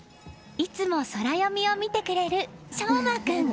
いつもソラよみを見てくれる翔誠君。